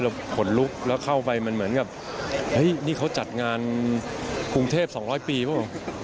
เราขนลุกแล้วเข้าไปมันเหมือนกับนี่เขาจัดงานกรุงเทพสองร้อยปีเปล่า